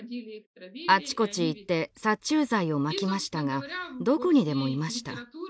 あちこち行って殺虫剤をまきましたがどこにでもいました。